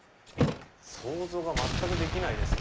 想像が全くできないです。